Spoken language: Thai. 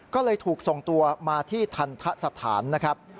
ก็เลยถูกส่งตัวมาที่ทันทะสถานนะครับ